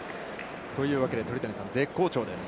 というわけで、鳥谷さん、絶好調です。